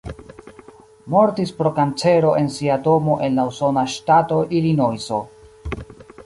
Mortis pro kancero en sia domo en la usona ŝtato Ilinojso.